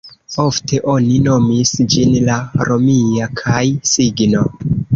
Ofte oni nomis ĝin la "romia" kaj-signo.